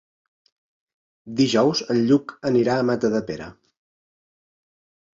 Dijous en Lluc anirà a Matadepera.